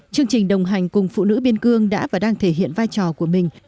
chương trình đồng hành cùng phụ nữ biên cương đã và đang thể hiện vai trò của mỗi người